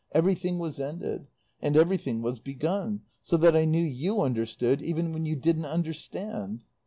Everything was ended. And everything was begun; so that I knew you understood even when you didn't understand.